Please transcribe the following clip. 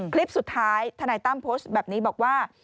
คลิปสุดท้ายธนายตั้มโพสต์แบบนี้บอกว่า